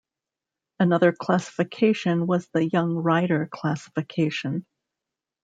Another classification was the young rider classification.